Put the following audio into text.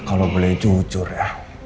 kalau boleh jujur ya